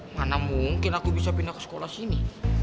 mana mungkin aku bisa pindah ke sekolah sini